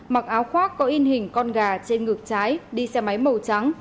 mặc áo khoác có in hình con gà trên ngược trái đi xe máy màu trắng